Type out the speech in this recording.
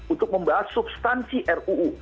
untuk membahas substansi ruu